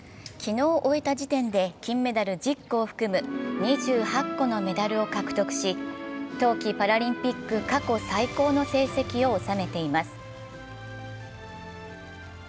昨日を終えた時点で金メダル１０個を含む２８個のメダルを獲得し、冬季パラリンピック過去最高の成績を収めています。